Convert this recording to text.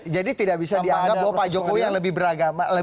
jadi tidak bisa dianggap pak jokowi yang lebih beragama